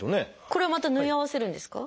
これをまた縫い合わせるんですか？